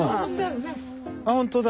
本当だ。